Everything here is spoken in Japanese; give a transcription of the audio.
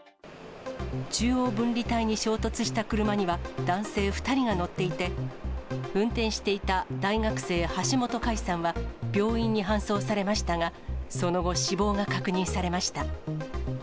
中央分離帯に衝突した車には男性２人が乗っていて、運転していた大学生、橋本海さんは病院に搬送されましたが、その後、死亡が確認されました。